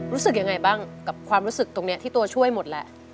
รู้สึกยังไงบ้างกับความรู้สึกตรงนี้ที่ตัวช่วยหมดแล้ว